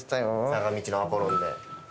『坂道のアポロン』で。